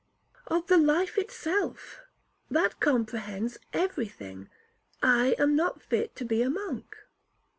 'Of the life itself,—that comprehends every thing. I am not fit to be a monk.'